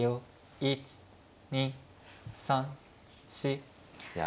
１２３４。